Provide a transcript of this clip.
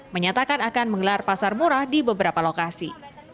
menyatakan akan menggelar pasar murah di beberapa lokasi